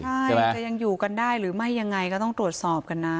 ใช่จะยังอยู่กันได้หรือไม่ยังไงก็ต้องตรวจสอบกันนะ